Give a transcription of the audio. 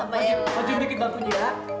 maju maju sedikit bantunya ya